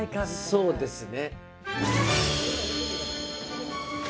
そうですね。